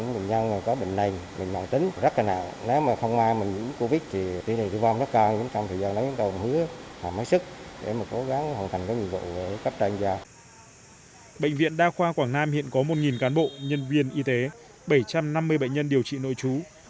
bệnh viện đa khoa quảng nam hiện có một cán bộ nhân viên y tế bảy trăm năm mươi bệnh nhân điều trị nội trú